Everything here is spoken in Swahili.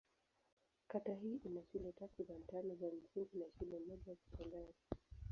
Kata hii ina shule takriban tano za msingi na shule moja ya sekondari.